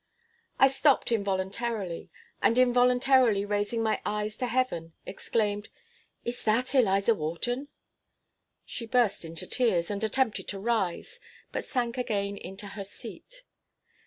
I stopped involuntarily, and involuntarily raising my eyes to heaven, exclaimed, "Is that Eliza Wharton?" She burst into tears, and attempted to rise, but sank again into her seat.